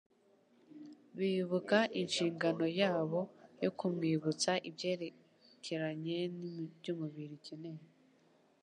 bibuka inshingano yabo yo kumwibutsa ibyerekeranye n'iby'umubiri ukeneye.